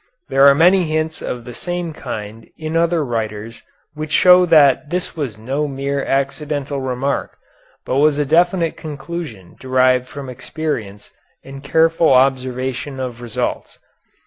There are many hints of the same kind in other writers which show that this was no mere accidental remark, but was a definite conclusion derived from experience and careful observation of results.